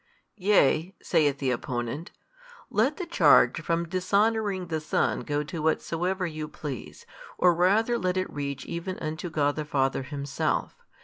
"Yea (saith the opponent) let the charge from dishonouring the Son go to whatsoever you please, or rather let it reach even unto God the Father Himself.